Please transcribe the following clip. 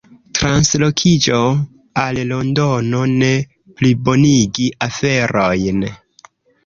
Translokiĝo al Londono ne plibonigi aferojn.